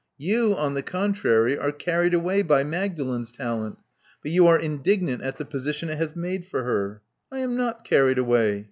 You, on the contrary, are carried away by Magdalen's talent; but you are indig nant at the position it has made for her." I am not carried away.